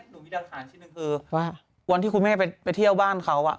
หนูมีหลักฐานชิ้นหนึ่งคือว่าวันที่คุณแม่ไปเที่ยวบ้านเขา